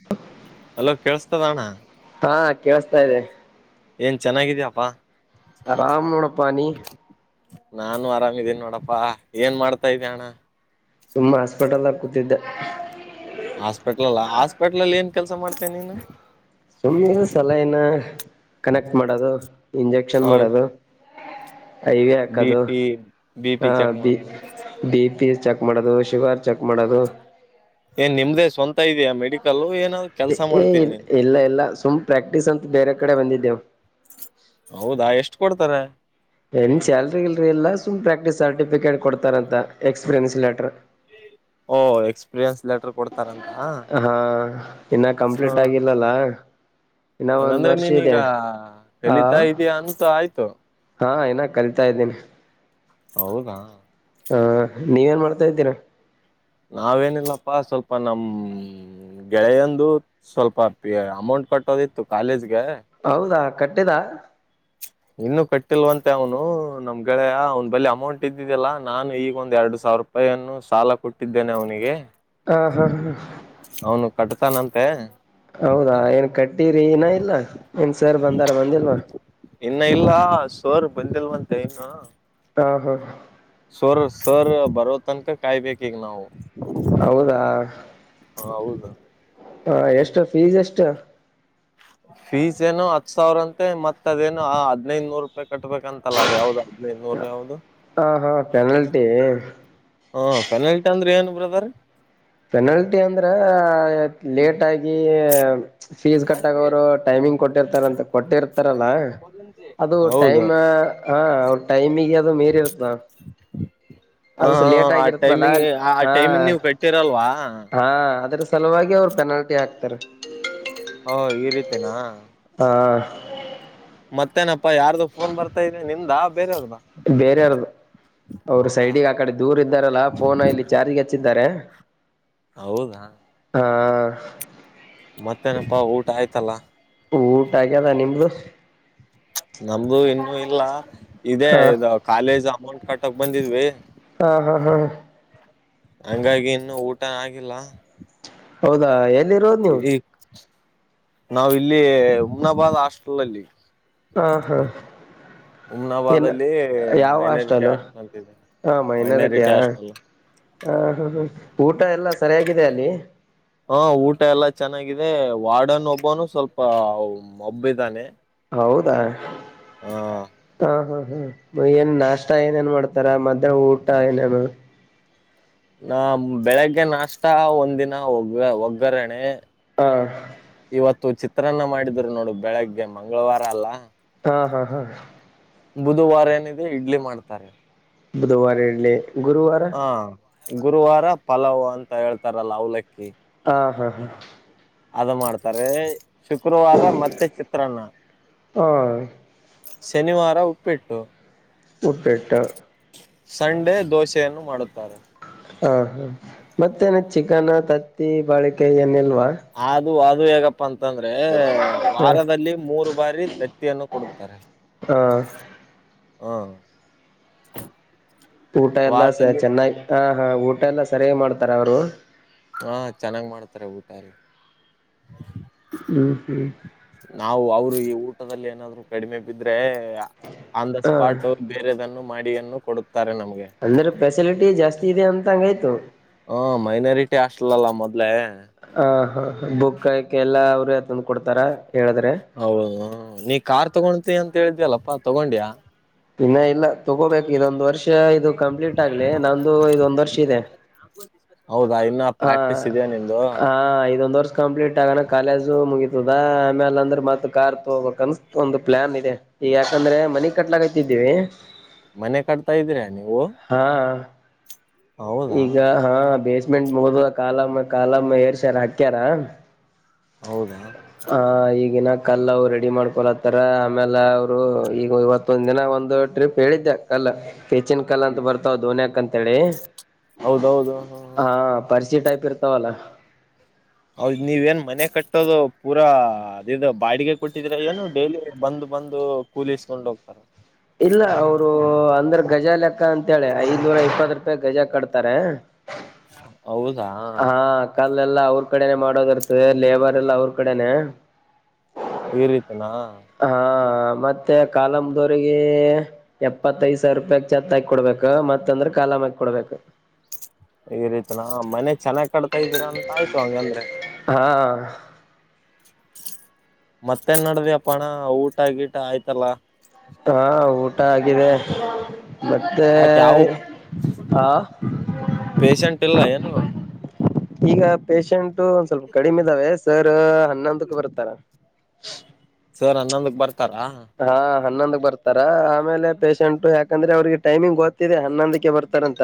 [inaudible] Hello ಕೇಳಸ್ ಮತದಾನ [unintelligible] ಹಾ ಕೇೇಳಸ್ತಾ ಇದೆ ಏನ್ ಚೆನ್ನಾಗಿದ್ಯಪ್ಪಾ ಆರಾಮ ನೋಡಪ್ಪ ನೀಿ ನಾನು ಆರಾಮಿದ್ದೀನಿ ನೋಡಪ್ಪಾ ಏನ್ ಮಾಡ್ತಾ ಇದ್ಯಣ್ಣ ಸುಮ್ಮ ಹಾಸ್ಪಿಟಲ್ ದಾಗ್ ಕೂತಿದ್ದೆ ಹಾಸ್ಪಿಟ್ಲಲ್ಲಾ ಹಾಸ್ಪಿಟಲಲ್ಲಿ ಏನ್ ಕೆಲಸ ಮಾಡ್ತೀಯಾ ನೀನು ಸುಮ್ಮ್ನೆ ಸಲೈನ ಕನೆಕ್ಟ್ ಮಾಡೋದು ಇಂಜೆಕ್ಷನ್ ಹೌದು ಮಾಡೋದು ಐ ವಿ ಬಿ ಹಾಕದು ಪಿ ಬಿ ಪಿ ಹಾ ಚೆಕ್ ಬಿ ಮಾಡೋದು ಬಿ ಪಿ ಚೆಕ್ ಮಾಡೋದು ಶುಗರ್ ಚೆಕ್ ಮಾಡೋದು ಏನ್ ನಿಮ್ದೇ ಸ್ವಂತ ಇದೆಯಾ ಮೆಡಿಕಲ್ ಏನ್ ಏ ಇಲ್ಲ ಇಲ್ಲ ಸುಮ್ ಪ್ರಾಕ್ಟೀಸ್ ಅಂತ ಬೇರೆ ಕಡೆ ಬಂದಿದ್ದೇವು ಹೌದಾ ಎಷ್ಟು ಕೊಡ್ತಾರೆ ಏನ್ ಸ್ಯಾಲ್ರಿಗೀಲ್ರಿ ಇಲ್ಲಾ ಸುಮ್ ಪ್ರಾಕ್ಟ್ ಸರ್ಟಿಫಿಕೇಟ್ ಕೊಡ್ತಾರಂತ ಎಕ್ಸ್ಪೀರಿಯನ್ಸ್ ಲೆಟರ್ ಓ ಎಕ್ಸ್ಪಿರಿಯೆನ್ಸ್ ಹಾ ಇನ್ನ ಕಂಪ್ಲೀಟ್ ಆಗಿಲ್ಲಲ್ಲ ಇನ್ನ ಒಂದ್ ಹಂಗಂದ್ರೆ ವರ್ಷ ಇದೆ ನೀನೀಗ ಆ ಕಲಿತಾ ಇದೀಯಾ ಅಂತ ಆಯ್ತು ಹಾ ಇನ್ನ ಕಲಿತಾ ಇದ್ದೀನಿ ಹೌದಾ ಹಾ ನೀವೇನ್ ಮಾಡ್ತಾ ಇದ್ದೀರಾ ನಾವೇನಿಲ್ಲಪ್ಪಾ ಸ್ವಲ್ಪ ನಮ್ ಗೆಳೆಯಂದು ಸ್ವಲ್ಪ ಅಮೌಂಟ್ ಕಟ್ಟೋದಿತ್ತು ಕಾಲೇಜ್ ಹೌದಾ ಕಟ್ಟಿದಾ ಇನ್ನು ಕಟ್ಟಿಲ್ವಂತೆ ಅವನು ನಮ್ ಗೆಳೆಯ ಅವ್ನ್ ಬಲಿ ಅಮೌಂಟ್ ಇದ್ದಿದಿಲ್ಲ ನಾನು ಈಗ ಒಂದ್ ಎರಡು ಸಾವಿರ ರೂಪಾಯನ್ನು ಸಾಲ ಕೊಟ್ಟಿದ್ದೇನೆ ಅವನಿಗೆ ಹಾ ಹಾ ಹಾ ಕಟ್ಟ್ತಾನಂತೆ ಹೌದಾ ಏನ್ ಕಟ್ಟ್ ಟ್ಟೀರೀನ ಏನ ಇಲ್ಲ ಏನ್ಸರ್ ಬಂದಾರ ಬಂದಿಲ್ವಾ ಇನ್ನ ಇಲ್ಲ ಸರ್ ಬಂದಿಲ್ವಂತೆ ಇನ್ನು ಹಾ ಹಾ ಸರ್ ಸರ್ ಬರೋತನಕ ಕಾಯ್ಬೇಕಿಗ ನಾವು ಹೌದಾ ಹಾ ಹೌದ ಹಾ ಎಷ್ಟ ಫೀಸ್ ಎಷ್ಟ ಫೀಸ್ ಏನು ಹತ್ ಸಾವಿರ ಅಂತೆ ಮತ್ ಅದೇನು ಹದ್ನೈದುನೂರು ರೂಪಾಯಿ ಕಟ್ಬೇಕಂತಲ್ಲ ಅದ ಯಾವ್ದ ಹದ್ನೈದ ನೂರ ಯಾವ್ದ ಹಾ ಹಾ ಪೆನಲ್ಟಿ ಹಾ ಫೆನಲ್ಟೀ ಅಂದ್ರೆ ಏನು ಬ್ರದರ್ ಲೇಟಾಗಿ ಫೀಸ್ ಕಟ್ಟಾಗ ಅವರು ಟೈಮಿಂಗ್ ಕೊಟ್ಟಿರ್ತಾರಂತ ಕೊಟ್ಟಿರ್ತಾರಲ್ಲ ಅದು ಹೌದು ಟೈಮ್ ಹಾ ಅವ್ ಟೈಮಿಿಗೆ ಅದು ಮೀರಿರುತ್ತ ಹ ಅದುಸ ಲೇಟ್ ಆ ಆಗಿರ್ತ್ತಲ್ಲ ಟೈಮಿಗೆ ಆ ಹ ಟೈಮಿಂಗ್ ನೀವು ಕಟ್ಟಿರಲ್ವಾ ಹಾ ಅದ್ರ ಸಲುವಾಗಿ ಅವ್ರು ಪೆನಾಲ್ಟಿ ಆಕ್ತಾರೆ ಹಾ ಈ ರೀತನಾ ಹಾ ಮತ್ತೇನಪ್ಪಾ ಯಾರ್ದು ಫೋನ್ ಬರ್ತಾ ಇದೆ ನಿಂದ ಬೇರೆಯಾರ್ದು ಅವ್ರು ಹೌದಾ ಸೈಡಿಗೆ ಆಕಡೆ ದೂರ ಇದ್ದಾರಲ್ಲಾ ಫೋನ ಇಲ್ಲಿ ಚಾರ್ಿಗೆ ಹಚ್ಚ ಇದಾರೆ ಹೌದಾ ಹ ಮತ್ತೇನಪ್ಪಾ ಊಟ ಆಯ್ತಲ್ಲ ಊಟ ಆಗದ ನಿಮದು ನಮ್ದು ಇನ್ನುೂ ಇಲ್ಲ ಇದೇ ಹ ಇದು ಹಾ ಕಾಲೇಜ್ ಅಮೌಂಟ್ ಕಟ್ಟಕಕ್ ಬಂದಿದ್ವಿ ಹಾ ಹಾ ಹಾ ಹಂಗಾಗಿ ಇನ್ನುೂ ಊಟ ಆಗಿಲ್ಲ ಹೌದಾ ಎ ಎ ನಾವವು ಇಲ್ಲಿ ಉಮ್ನಾಬಾದ್ ಹಾಸ್ಟೆಲ್ ಅಲ್ಲಿ ಹ ಹಾ ಉಮ್ನಾಬಾದ್ ಏನ ಅಲ್ಲಿ ಯಾವ ಅಷ್ಟ ಮೈನಾರಿಟಿ ಅಲ್ಲ ಹಾಸ್ಟೆಲ್ ಅಂತಿದೆ ಹ ಮೈನಾರಿಟಿಯಾ ಮೈನಾರಿಟಿ ಹ ಹಾಸ್ಟೆಲ್ ಹ ಹ ಊಟ ಎಲ್ಲ ಸರಿಯಾಗಿದೆ ಅಲ್ಲಿ ಆದ್ರೆ ವಾಡನ್ ಒಬ್ಬನು ಸ್ವಲ್ಪ ಮಬ್ಬಿದ್ದಾನೆ ಹೌದಾ ಹಾ ಹಾ ಹ ಹ್ಮ್ ಏನ್ ನಾಷ್ಟ ಏನೇಏನ್ ಮಾಡ್ತಾರ ಮದ ಊಟ ಏನೇನು ನ ಬೆಳಿಗ್ಗೆ ನಾಷ್ಟತ ಒಂದಿನ ಒಗ್ ಒಗ್ಗರಣಣೆ ಹಾ ಚಿತ್ರನ್ನ ಮಾಡಿದ್ರು ನೋಡು ಬೆಳಗ್ಗೆ ಮಂಗಳವಾರ ಅಲ್ಲಾ ಹಾ ಹಾ ಹಾ ಬುಧವಾರ ಏನಿದೆ ಇಡ್ಲಿ ಮಾಡ್ತಾರೆ ಬುಧವಾರಲ್ಲ ಗುರುವಾರ ಹ ಗುರುವಾರ ಪಲಾವ್ ಅಂತ ಹೇಳ್ತಾರಲ್ಲ ಅವಲಕ್ಕಿ ಹಾ ಹಾ ಹಾ ಅದ ಮಾಡ್ತಾರೆ ಶುಕ್ರವಾರ ಮತ್ತೆ ಚಿತ್ರಾನ್ನ ಹಾ ಶನಿವಾರ ಉಪ್ಪಿಟ್ಟು ಉಪ್ಪೆಟ್ಟ ಸಂಡೆ ದೋಸೆಯನ್ನು ಮಾಡುತ್ತಾರೆ ಹಾ ಹಾ ಮತ್ತೆ ನ ಚಿಕನ್ ತತ್ತಿ ಬಾಳೆಿಕಾಯಿ ಏನೆಲ್ಲಾ [inaudible] [inaudible] ಅಂತಂದ್ರೆ ಹ ವಾರದಲ್ಲಿ ಮೂರು. ಬಾರಿತ [inaudible] ತ್ತಿಯನ್ನು ಕೊಡುತ್ತಾರೆ. ಹಾ ಹ. ಊಟ ಎಲ್ಲಾ ಸ ವಾರದಲ್ಲಿ ಚೆನ್ನಾಗಿ ಹ. ಹ ಊಟ ಎಲ್ಲಾ ಸರಿಯಾಗ್ ಮಾಡ್ತಾರ ಅವರು. ಹಾ ಚೆನ್ನಾಗ್ ಮಾಡ್ತಾರೆ ಊಟ ಎಲ್ಲ. ಹ್ಮ ಹ್ಮ. ನಾವು ಅವ್ರು ಈ ಊಟದಲ್ಲಿ ಏನಾದ್ರು ಕಡಿಮೆ ಬಿದ್ರೆ. ಆನ್ ದ ಹ ಸ್ಪಾಟು ಬೇರೆದನ್ನು. ಮಾಡಿಯನ್ನು ಕೊಡುತ್. ಅಂದ್ರೆ ಫೆಸಿಲಿಟಿ ಜಾಸ್ತಿ ಇದೆ ಅಂತ ಹಂಗೈತ. ತು. ಹ ಮೈನಾರಿಟಿ ಹಾಸ್ಟಲ್ ಅಲ್ಲ ಮೊದ್ಲೆೇ. ಹ. ಹ ಬುಕ್ ಗೀಕ್ ಎಲ್ಲ ಅವ್ರೇ ತಂದ ಕೊಡ್ತಾರ. ಹೇಳಿದ್ರೆ ಹೌದು ನೀ ಕಾರ್ ತಗೊಂತೀ ಅಂತ. ಅಂತ ಹೇಳಿದ್ಯಲ್ಲಪ್ಪಾ ತಗೊಂಡ್ಯಾ. ಇನ್ನ ಇಲ್ಲ ತಗೋಬೇಕ ಇದೊಂದ್ ವರ್ಷ ಇದು ಕಂಪ್ಲೀಟ್ ಆಗ್ಲಿ ನಂದು ಇದೊಂದ್ ವರ್ಷ ಇದೆ. ಹೌದಾ ಇನ್ನ ಹ ಪ್ರಾಕ್ಟೀಸ್ ಇದೆಯಾ ನಿಂದು ಹ ಇದೊಂದ್ ವರ್ಷ ಕಂಪ್ಲೀಟ್ ಆಗಣ ಕಾಲೇಜು ಮುಗಿ. ತದಾ ಆಮ್ಯಾಲ ಅಂದ್ರೆ ಮತ್ತ ಕಾರ್ ತಗೊಬೇಕ್ ಅನ್ ಒಂದು ಪ್ಲಾನ್ ಇದೆ ಈಗ ಯಾಕಂದ್ರೆ ಮನಿ ಕಟ್ಲಾಗತಿದ್ದೀವಿ. ಮನೆ ಕಡ್ತಾ ಇದೀರಾ ನೀವು. ಹಾ. ಈಗ ಹೌದಾ ಹಾ ಬೇಸ್. ಮೆಂಟ್ ಮುಗದದ ಕಾಲಮ್ಮ ಕಾಲಮ್ಮ ಏರ್ ಸಾರ ಹಾಕ್ಯಾರ. ಹೌದಾ ಹ ಈಗಿನ. ಕಲ್ಲ ಅವು ರೆಡಿ ಮಾಡ್ಕೊಲತ್ತಾರ ಆಮೇಲೆ ಅವ. ರು ಈಗ ಇವತ್ತೊಂ. ದಿನ ಒಂದು ಟ್ರಿಪ್ ಹೇಳಿದ್ಯಾ ಕಲ್ಲ. ಹೆಚ್ಚಿನ್ ಕಲ್ ಅಂತ ಬರ್ತಾವ ದೋನ್ಯಾಕ್ ಅಂತೇಳಿ. ಹೌದೌದು ಹ್ಮ ಹ. ಕರ್ಸಿ ಟೈಪ್ ಇರ್ತಾವಲ್ಲ ಹೌದ್ ನೀವ ಏನ್ ಮನೆ ಕಟ್ಟೋದು ಪೂರಾ ಅದದು ಬಾಡಿಗೆ ಕೊಟ್ಟಿದ್ರ ಏನು ಡೈಲಿ ಬಂದ್ ಬಂದು ಕೂಲಸ್ಕೊಂಡ್ ಹೋಗ್ತಾರ ಇಲ್ಲ ಅವರು ಅಂದ್ರೆ ಗಜ ಲೆಕ್ಕ ಅಂತ ಹೇಳೇಳಿ ಐದ್ನೂರ ಇಪ್ಪತ್ ರೂಪಾಯಿ ಗಜ ಕಟ್ತಾರೆ ಹೌ ಹೌದಾ ಲ್ಲೆಲ್ಲಾ ಅವ್ರ ಕಡೆನೆ ಮಾಡೋದಿ ಇರ್ತ ಲೇಬರ್ ಎಲ್ಲ ಅವ್ರ ಕಡೆನೆೇ ಈ ರೀತನಾ ಹ ಮತ್ತೆ ಕಾಲಮ್ದವರಿಗೆ ಎಪ್ಪತ್ತೈದ್ ಸಾವಿರ ರೂಪಾಯಕ್ ಛತ್ತ ಹಾಕಿ ಕೊಡ್ಬೇಕ ಮತ್ತ ಅಂದ್ರೆ ಕಾಲಂ ಹಾಕ ಕೊಡ್ಬೇಕು ಈ ರೀತನಾ ಮನೆ ಚೆನ್ನಾಗ್ ಕಡ್ತಾ ಇದೀರಾ ಅಂತ ಆಯ್ತು ಹಂಗ ಅಂದ್ರೆ ಹಾ ಮತ್ತೇನ್ ನಡ್ದಪ್ಪಣ ಊಟ ಆಗಿಟ್ಟ ಆಯ್ತಲ್ಲ ಹಾ ಊಟ ಆಗಿದೆ ಮತ್ತೆ ಯಾಕೆ ಯಾವ ಹ ಪೇಶಂಟ್ ಇಲ್ಲ ಏನು ಈಗ ಪಷೆಂಟ್ ಒಂದ್ ಸ್ವಲ್ಪ ಕಡಿಮೆ ಇದಾವೆ ಸರ್ ಹನ್ನೊಂದಕ್ಕ ಬರ್ತಾರ ಬರ್ತ ಇತಾರ ಹನ್ನೊಂದ ಬರ್ತಾರ ಆಮೇಲೆ ಪೇಷೆಂಟ್ ಯಾಕಂದ್ರೆ ಅವ್ರಿಗೆ ಟಮಂಗ್ ಗತ್ತ ಹನ್ನೊಂದಕ್ಕೆ ಬರ್ತಾರಂತ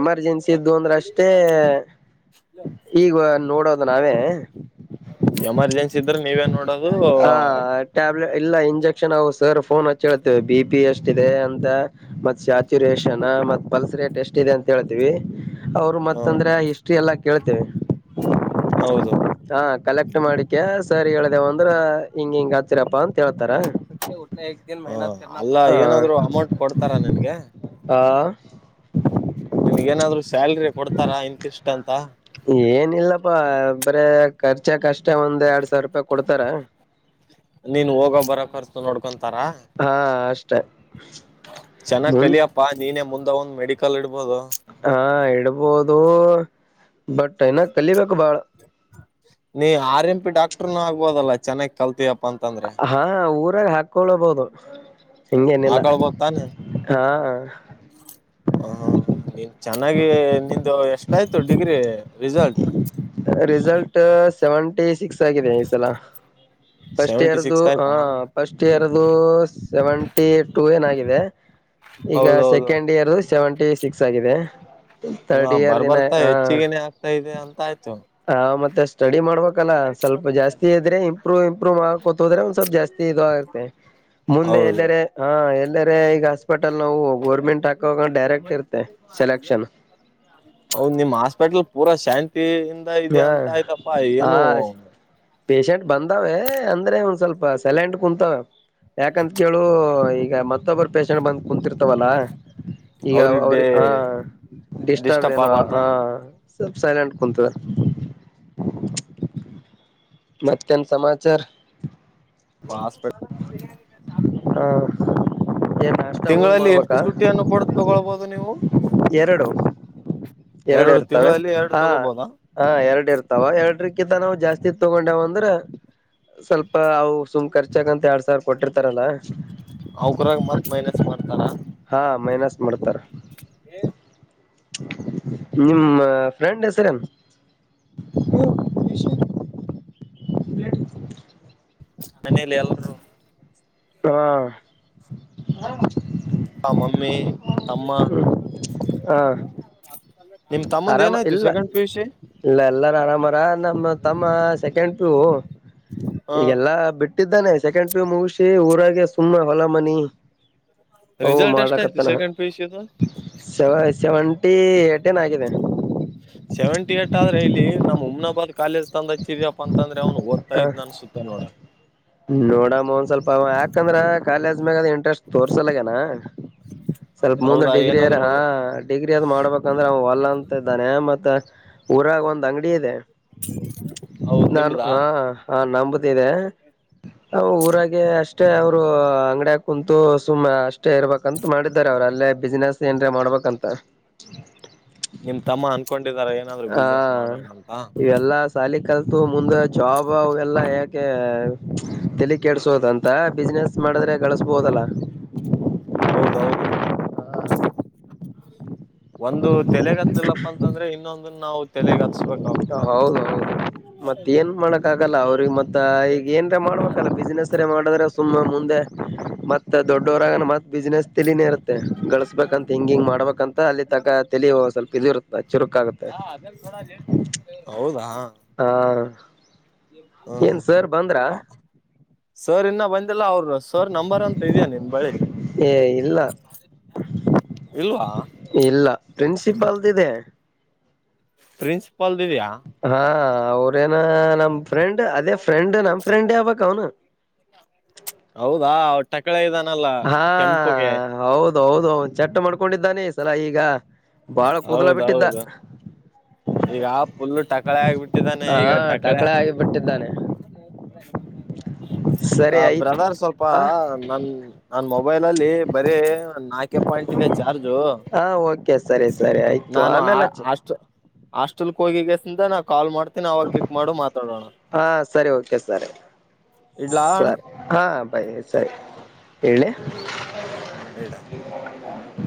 ಎಮರ್ಜೆನ್ಸಿ ಇದ್ದು ಅಂದ್ರೆ ಅಷ್ಟೇ ಈಗ ನೋಡೋ ನಾವೇ ಎಮರ್ಜೆನ್ಸಿ ಇದ್ರೆ ನೀವೇನ್ ನೋಡೋದು ನಾವು ಸರ್ ಫೋನ್ ಹಚ್ಚ ಹೇಳ್ತೇವಿ ಬಿ ಪಿ ಎಷ್ಟ ಇಿದೆ ಅಂತ ಮತ್ ಸ್ಯಾಚುರೇಷನ್ ಮತ್ ಪಲ್ಸ್ ರೇಟ್ ಎಷ್ಟ ಇದೆ ಅಂತ ಹೇಳ್ತವಿ ಅವರು ಹ್ಮ ಮತ್ತಂದ್ರೆ ಹಿಸ್ಟ್ರಿ ಎಲ್ಲಾ ಕೇಳ್ತೇವಿ ಹೌದು ಹ ಕಲೆಕ್ಟ್ ಮಾಡಿಕ ಸರಿ ಹೇಳ್ದೇವ ಅಂದ್ರ ಹಂಗ ಹಂಗ ರಪ್ಪ ಅಂತ ಹೇಳ್ತಾರೆ ಅಲ್ಲ ಏನಾದ್ರು ಅಮೌಂಟ್ ಕೊಡ್ತಾರ ನನ್ಗೆ ಹಾ ನಿನ್ಗ ಏನಾದ್ರು ಸ್ಯಾಲ್ರಿ ಕೊಡ್ತಾರಾ ಇಂತಿಷ್ಟ ಅಂತ ಏನಿಲ್ಲಪ್ಪಾ ಅ ಬ್ರ ಖರ್ಚ ಹೆಚ್ಚಾಕ್ಷ್ಟ ಒಂದ್ ಎರಡ್ ಸಾವಿರ ರೂಪಾಯಿ ಕೊಡ್ತಾರ ನಡ್ ಹಾ ಅಷ್ಟೆ ಚೆನ್ನಾಗ್ ಮುಂದ್ ಕಲಿಯಪ್ಪಾ ನೀನ ಮುಂದೆ ಮೆಡಿಕಲ್ ಇಡ್ಬೋದು ಹಾ ಇಡ್ಬೋದು ಬಟ್ ಏನ ಕಲಿಬೇಕು ಬಾಳ ನೀ ಆರ್ ಎಂ ಪಿ ಡಾಕ್ ಆಗ್ಬೋದಲ್ಲ ಚನ್ನಾಗಿ ಕಲ್ತೀ ಹಾ ಹಾಕೊಳ್ಳಬಹುದು ಹಿಂಗಗೆನಿಲ್ಲ ಹಾಕಳ್ಬೋದ ತಾನೆ ಹಾ ಹ ಹ ಹ ನಿನ್ ಚೆನ್ನಾಗಿ ನಿ್ದ ಎಷ್ಟಾಯ್ತು degree result result seventy six ಆಗಿದೆ ಈ ಸಲ ಫಸ್ಟ್ ಸೆವೆಂಟಿ ಇಯರ್ ಸಿಕ್ಸ್ ಹ ಆಯ್ತಾ ಫಸ್ಟ್ ಇಯರ್ದು ಸೆವೆಂಟಿ ಟ ಏನಾಗಿದೆ ಈಗ ಹೌದೌದು ಸೆಕೆಂಡ್ ಇಯರ್ ಸೆವೆಂಟಿ ಸಿಕ್ಸ್ ಆಗಿದೆ ರ್ಡ್ ಹ ಇಯರ್ ಬರ್ಬರ್ತಾ ಹೆಚ್ಚಿಗೆನೆ ಆಗ್ತಾ ಇದೆ ಅಂತ ಆಯ್ತು ಹಾ ಮತ್ತೆ ಸ್ಟಡಿ ಮಾಡ್ಬೇಕಲ್ಲ ಸ್ವಲ್ಪ ಜಾಸ್ತಿ ಇದ್ರೆ ಇಂಪ್ರೂವ್ ಇಂಪ್ರೂವ್ ಮಾಡಕೊತೋದ್ರೆ ಒಂದ್ ಸ್ವಲ್ಪ ಜಾಸ್ತಿ ಇದ ಆತ್ತೆ ಮುಂದೆ ಹೌದು ಎಲ್ಲರೆ ಹಾ ಎಲ್ಲರೆ ಈಗ ಹಾಸ್ಪಿಟಲ್ ನಾವು ಗೋರ್ಮೆಂಟ್ ಹಾಕ ಡೈರೆಕ್ಟ್ ಇರುತ್ತೆ ಸೆಲೆಕ್ಷನ್ ಪೂರ ಶಾಂತಿ ಇದೆ ಅಂತ ಆಯ್ತಪ್ಪ ಹಾ ಪಷಂಟ್ ಬಂದ ಕುಂತಾವ ಅಂದ್ರೆ ಒಂದ್ ಸ್ವಲ್ಪ ಸೆಲೆಂಡ್ ಕುಂತಾವ ಯಾಕಂತ ಕೇಳು ಈಗ ಮತ್ತೊಬ್ಬರು ಪೇಶಷಂಟ್ ಬಂದ ಕುಂದುತ್ ಲ್ಲ ಈಗ ಅವ್ರ ಅವ್ರಿಗೆ ಹ ಡಿಸ್ಟರ್ಬ್ ಏನು ಹ ಸಬ್ ಸೈಲೆಂಟ್ ಕಂತವೆ ಮತ್ತೇನ್ ಸಮಾಚಾರ ಹ ಏನ್ ನಾಷ್ಟ ಹೋಗಿ ತಿಂಗಳಲ್ಲಿ ಎಷ್ಟು ಮಾಡ್ಬೇಕಾ ಸುಟ್ಟಿಯನ್ನು ಕೂಡ ತಗೊಳ್ಬೋದು ನೀವು ಎರಡು ಎರಡು ಇರ್ತವೆ ತಿಂಗಳಲ್ಲಿ ಎರಡು ಹಾ ತಗೋಬೋದಾ ಹ ಎರಡು ಇರ್ತಾವ ಎರಡ್ರ ಿ ನಾವು ಜಾಸ್ತಿ ತಗೊಂಡಾವ ಅಂದ್ರ ಸ್ವಲ್ಪ ಾವು ಸುಮ್ಖರ್ಚಕ ಅಂತ ಎರಡ್ ಸರ್ ಕೊಟ್ಟಿರ್ತಾರಲ್ಲಾ ಅವಗ್ರಾಗ ಮತ್ ಮೈನಸ್ ಮಾಡ್ತಾರ ಹಾ ಮೈನಸ್ ಮಾಡ್ತಾರ ನಿಮ್ಮ ಫ್ರೆಂಡ್ ಹೆಸರ ಮನೇಲಿ ಎಲ್ರು ಹಾ ಆ ಮಮ್ಮಿ ಅಮ್ಮ ಹ ಆರಾಮ ಇಲ್ಲ ಇಲ್ಲ ಎಲ್ಲಾರ ಆರಾಮರ ನಮ್ಮ ತಮ್ಮ ಸೆಕೆಂಡ್ ಪ್ಯೂ ಹ ಈಗೆಲ್ಲಾ ಬಿಟ್ಟಿದ್ದಾನೆ ಸೆಕೆಂಡ್ ಪ್ಯು ಮುಗಿಸಿ ಊ ಅ್ರಾಗ ಸುಮ್ಮನೆ ಹೊಲ ಮನಿ ರಿಸಲ್ಟ್ ಎಷ್ಟ ಆಯ್ತು ಮಾಡ್ಲಕತ್ತಾನ ಸೆಕೆಂಡ್ ಪಿ ಯು ಸಿ ದು ಸವಾಯ ಸೆವೆಂಟಿ ಏಟ ಏನ್ ಆಗಿದೆ ಸೆವೆಂಟಿ ಏಟ್ ಆದ್ರೆ ಇಲ್ಲಿ ನಮ್ಮ್ ಉಮ್ನಾಬಾರ್ ಕಾಲೇಜ ತಂದಚಿದಿವಪ್ಪ ಅಂತಂದ್ರ ಅವ್ನು ಓದ್ತಾ ಹ ಇದ್ನ ಅನ್ಸುತ್ತ ನೋಡ ನೋಡಮ್ಮ ಒಂದ್ ಸ್ವಲ್ಪ ಯಾಕಂದ್ರ ಕಾಲೇ ಜ್ಮಾಗದು ಇಂಟ್ರೆಸ್ಟ್ ತೋರ್ಸಲಾಗ್ಯಾನ ಸ್ವಲ್ಪ ಮುಂದ ಹೌದಾ ಡಿಗ್ರಿ ಅರ ಏನಾದ್ರು ಹಾ ಡಿಗ್ರಿ ಅದ್ ಮಾಡ್ಬೇಕಂದ್ರೆ ಅವ ಒಲ್ಲ ಅಂತ ಇದ್ದಾನೆ ಮತ್ತ ಊರಾಗ ಒಂದ್ ಅಂಗಡಿ ಇದೆ ಹೌದ್ ನಾನು ನಿಮ್ದಾ ಹಾ ಹಾ ನಂಬ ದೆ ಅ ಊರಾಗೇ ಅಷ್ ಅಷ್ಟೇ ಅವ್ರು ಅಂಗಡಿಯ ಕುಂತು ಸುಮ್ಮ್ ಅಷ್ಟೇ ಇರ್ಬೇಕಂತ ಮಾಡಿದ್ದಾರೆ ಅವ್ರ ಅಲ್ಲೇ ಬಿಸ್ನೆಸ್ ಏನ್ರೆ ಮಾಡ್ಬೇಕಂತ ನಿಮ್ ತಮ್ಮ ಅನ್ಕೊಂಡಿದ್ದಾರ ಏ ಹಾ ಇವೆಲ್ಲಾ ಸಾಲಿಗೆ ಕಲ್ತು ಮುಂದೆ ಜಾಬ್ ಅವ ಎಲ್ಲಾ ಯಾಕೆ ತಲಿ ಕೆಡ್ಸೋದ ಅಂತ ಬಿಸ್ನೆಸ್ ಮಾಡಿದ್ರೆ ಗಳಸ್ಬೋದಲ್ಲ ಹೌದೌದು ಒಂದು ತಲೆಗತ್ಲಿಲ್ಲಪ್ಪಾ ಅಂತಂದ್ರೆ ಇನ್ನೊಂ ಅದನ್ನ ನಾವು ತಲೆಗತ್ಸ್ಬೇಕು ಹೌದ ಹೌದು ಮತ್ತ ಏನ್ ಮಾಡಕ್ ಆಗಲ್ಲ ಅವ್ರಿಗೆ ಮತ್ತ ಈಗ ಏನ್ರ ಮಾಡ್ಬೇಕಲ್ಲ ಬಿಸ್ನೆೆಸ್ರೆ ಮಾಡಿದ್ರೆ ಸುಮ್ಮ ಮುಂದೆ ಮತ್ ದೊಡ್ಡವರಾಗನ ಮತ್ತ ಬಿಸ್ನೆಸ್ ತಲಿನೇ ಇರುತ್ತೆ ಗಳಸ್ಬೇಕಂತ ಹಿಂಗ್ ಹಿಂಗ್ ಮಾಡಬೇಕ ಅಂತ ಅಲ್ಲಿ ತನಕ ತಲಿ ಒಂದ್ ಸ್ವಲ್ಪ [unintelligible] ಹಾ ಅದ ಥೋಡಾ ಲೇಟ್ ಹೌದಾ ಹ ಹಾ ಏನ್ ಸರ್ ಬಂದ್ರ ಹ ಸರ್ ಇನ್ನ ಬಂದ್ ಲ್ಲ ಅವ್ರ ಸರ್ ನಂಬರ್ ಅಂತ ಇದ್ಯಾ ನಿನ್ ಬಳಿ ಏ ಇಲ್ಲ ಇಲ್ವಾ ಇಲ್ಲ ಪ್ರಿನ್ಸಿಪಾಲ್ದಿದೆ ಪ್ರಿನ್ಸಿ ಪ್ಪಲ್ದಿದೆಯಾ ಅವ್ರೇ ನ ನಮ್ ಫ್ರೆಂಡ್ ಅದೇ ಫ್ರೆಂಡ್ ನಮ್ ಫ್ರೆಂಡ್ ಯಾಗ್ಬೇಕ್ ಅವನು ಟಕ್ಕಳ್ಯಾ ಇದ ಹಾ ಹೌದು ಹೌ ಹೌದು ಚಟ್ ಮಾಡ್ಕೊಂಡಿದ್ದಾನೆ ಸಲ ಈಗ ಬಾಳ ಕೂದ್ಲ ಬಿಟ್ಟಿದ್ದ ಹೌದೌದು ಈಗ ಆ ಪುಲ್ಲ ಟಕಳೆ ಆಗ್ಬಿಟ್ಟಿದ್ದಾನೆ ಹಾ ಈಗ ಟಕಳೆ ಟಕಳ ಆಗಿಬಿಟ್ಟಿದ್ದಾನೆ. ಸರಿ ಆ ಆಯ್ತು ಬ್ರದರ್ ಸ್ವಲ್ಪ ಹ ನನ್ ನನ್ ಮೊಬೈಲ್ ಅಲ್ಲಿ ಬರೀ ನಾಲ್ಕೆ ಪಾಯಿಂಟ್ ಇದೆ ಚಾರ್ಜು ಹಾ ಓಕೆ ಸರಿ ಸರಿ ಆಯ್ತು ನಾನು ಆ ಆಮೇಲೆ ಹಚ್ಚಿ ಅಷ್ಟು ಹಾಸ್ಟೆಲ್ ಹೋಗಿಗೇಸಂದ ನ ಹಾ ಸರಿ ಓಕೆ ಸರಿ ಇಡ್ಲಾ ಅಣ್ಣ ಸರಿ ಹಾ ಬೈ ಸರಿ ಏಳಿ ಎಡ ಹ [inaudible]